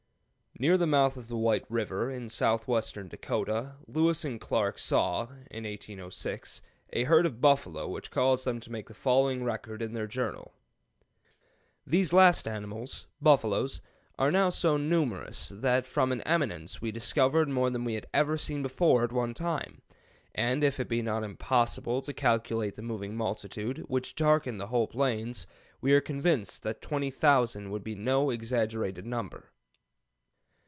Near the mouth of the White River, in southwestern Dakota, Lewis and Clark saw (in 1806) a herd of buffalo which caused them to make the following record in their journal: "These last animals [buffaloes] are now so numerous that from an eminence we discovered more than we had ever seen before at one time; and if it be not impossible to calculate the moving multitude, which darkened the whole plains, we are convinced that twenty thousand would be no exaggerated number."